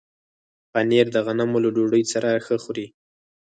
پنېر د غنمو له ډوډۍ سره ښه خوري.